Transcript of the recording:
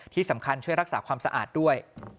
ที่สำคัญช่วยรักษาความสะอาดด้วย